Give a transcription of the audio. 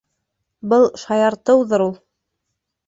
Был шаяртыуҙыр ул?